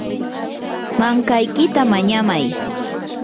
mankaykita mañamay.